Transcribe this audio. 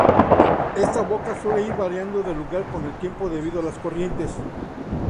Esta boca suele ir variando de lugar con el tiempo debido a las corrientes.